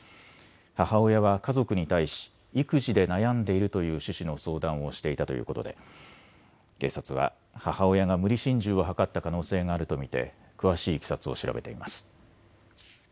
母親は家族に対し、育児で悩んでいるという趣旨の相談をしていたということで警察は母親が無理心中を図った可能性があると見て詳しいいきさつを調べています。